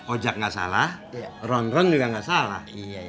ojak nggak salah ronggong juga nggak salah